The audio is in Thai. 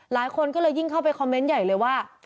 หลายคนก็เลยยิ่งเข้าไปคอมเมนต์ใหญ่เลยว่า